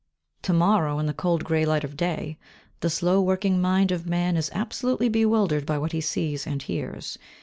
To morrow, in the cold grey light of day, the slow working mind of man is absolutely bewildered by what he sees and hears.